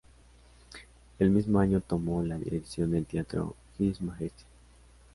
El mismo año tomó la dirección del Teatro His Majesty.